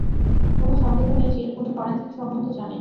কোনো সন্দেহ নেই যে খুনি ফরেনসিক সম্বন্ধে জানে।